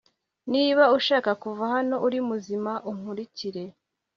niba ushaka kuva hano uri muzima, unkurikire